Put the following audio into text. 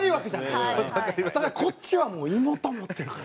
ただこっちは芋と思ってるから。